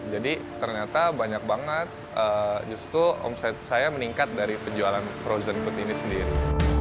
jadi ternyata banyak banget justru omset saya meningkat dari penjualan frozen food ini sendiri